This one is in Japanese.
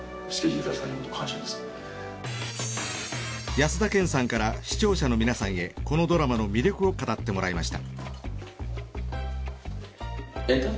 安田顕さんから視聴者の皆さんへこのドラマの魅力を語ってもらいました。